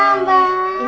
aku mbak jessica mbak